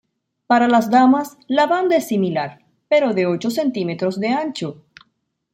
Para las damas, la banda es similar, pero de ocho centímetros de ancho.